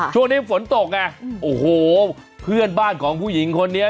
ช่วงนี้ฝนตกไงโอ้โหเพื่อนบ้านของผู้หญิงคนนี้